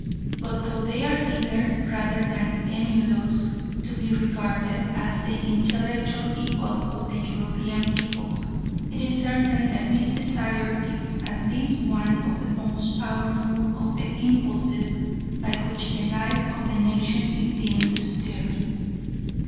But though they are eager, rather than emulous, to be regarded as the intellectual equals of the European peoples, it is certain that this desire is at least one of the most powerful of the impulses by which the life of the nation is being stirred.